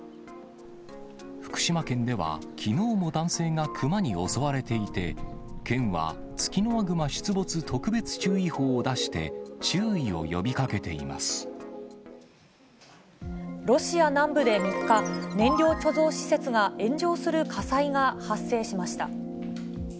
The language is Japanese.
福島県では、きのうも男性が熊に襲われていて、県はツキノワグマ出没特別注意報を出して、注意を呼びかけていまロシア南部で３日、燃料貯蔵施設が炎上する火災が発生しました。